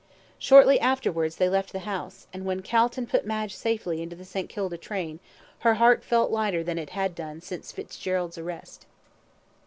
Shortly afterwards they left the house, and when Calton put Madge safely into the St. Kilda train, her heart felt lighter than it had done since Fitzgerald's arrest.